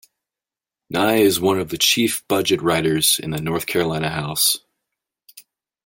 Nye is one of the chief budget writers in the North Carolina House.